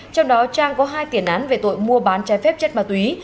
trong đó trang có hai tiền án về tội mua bán trái phép chất ma túy